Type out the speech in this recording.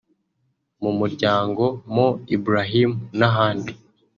mu muryango Mo Ibrahim n’ahandi